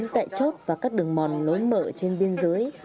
tại chốt và các đường mòn nối mở trên biên giới